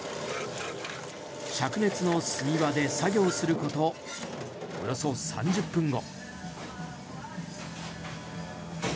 しゃく熱の炭場で作業することおよそ３０分後。